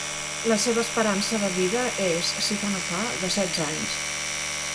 La seva esperança de vida és, si fa no fa, de setze anys.